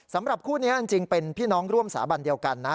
สำหรับคู่นี้จริงเป็นพี่น้องร่วมสาบันเดียวกันนะ